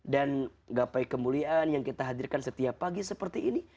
dan gapai kemuliaan yang kita hadirkan setiap pagi seperti ini